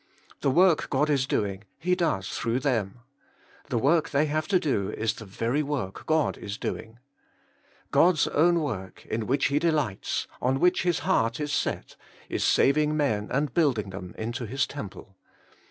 The work God is doing He does through them. The work they have to do is the very work God is doing. God's own work, in which He de lights, on which His heart is set, is saving men and building them into His temple.